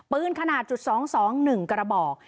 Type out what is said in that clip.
ปืนขนาดจุด๒๒๑กระบอก